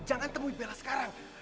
jangan temui bella sekarang